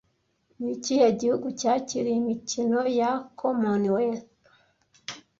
Ni ikihe gihugu cyakiriye imikino ya Commonwealth